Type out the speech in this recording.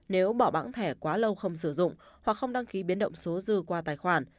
nếu bỏ bảng thẻ quá lâu không sử dụng hoặc không đăng ký biến động số dư qua tài khoản